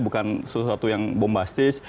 bukan sesuatu yang bombastis